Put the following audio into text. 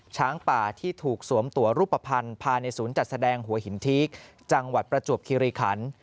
ช้างป่าที่ถูกสวมตัวรูปภัณฑ์ภายในศูนย์จัดแสดงหัวหินทีกจังหวัดประจวบคิริขัน